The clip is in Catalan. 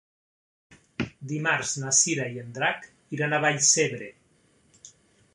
Dimarts na Cira i en Drac iran a Vallcebre.